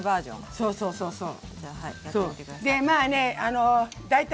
そうそうそうそう。